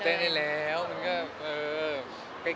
ตื่นเต้นได้แล้ว